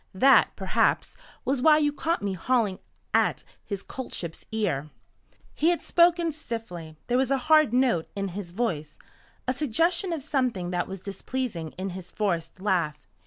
That, perhaps, was why you caught me hauling at His Coltship's ear." He had spoken stiffly. There was a hard note in his voice, a suggestion of something that was displeasing in his forced laugh.